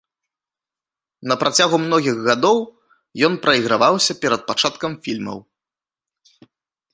На працягу многіх гадоў ён прайграваўся перад пачаткам фільмаў.